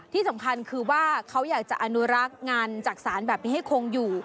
ที่สำคัญคือว่าเขาอยากจะอนุรักษ์งานจักษานแบบนี้ให้คงอยู่